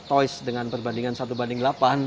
toys dengan perbandingan satu banding delapan